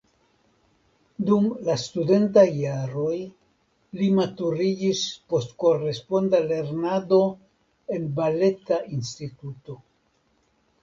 Dum la studentaj jaroj li maturiĝis post koresponda lernado en Baleta Instituto.